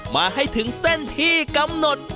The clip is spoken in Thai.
มาให้ถึงเส้นที่กำหนด